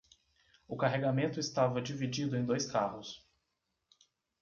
O carregamento estava dividido em dois carros